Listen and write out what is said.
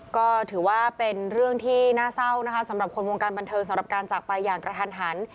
ก็ถือว่าเป็นเรื่องที่น่าเศร้านะคะสำหรับคนวงการบันเทิงสำหรับการจากไปอย่างกระทันหัน